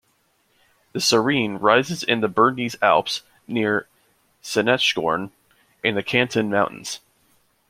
The Sarine rises in the Bernese Alps, near Sanetschhorn, in the Canton of Valais.